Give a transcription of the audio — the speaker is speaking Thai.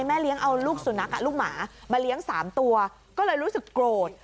เลี้ยงเอาลูกสุนัขลูกหมามาเลี้ยง๓ตัวก็เลยรู้สึกโกรธ